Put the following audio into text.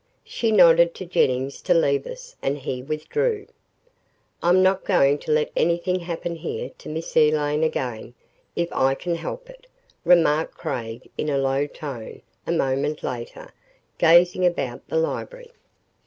She nodded to Jennings to leave us and he withdrew. "I'm not going to let anything happen here to Miss Elaine again if I can help it," remarked Craig in a low tone, a moment later, gazing about the library.